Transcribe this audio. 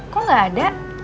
kok enggak ada